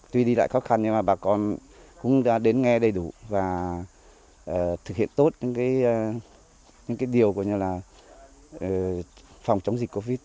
tuy đi lại khó khăn nhưng mà bà con cũng đã đến nghe đầy đủ và thực hiện tốt những điều phòng chống dịch covid